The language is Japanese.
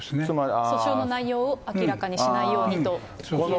訴訟の内容を明らかにしないようにということですね。